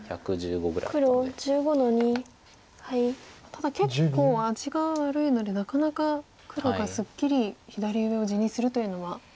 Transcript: ただ結構味が悪いのでなかなか黒がすっきり左上を地にするというのは。